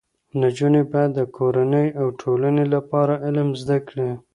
نجونې باید د کورنۍ او ټولنې لپاره علم زده کړي.